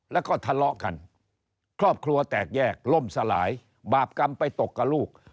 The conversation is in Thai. แล้วก็ทะเลาะกันครอบครัวแตกแยกล่มสลายบาปกรรมไปตกกับลูก